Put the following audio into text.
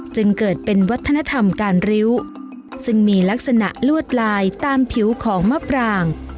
จึงเกิดเป็นวัฒนธรรมการริ้วซึ่งมีลักษณะลวดลายตามผิวของมะปราง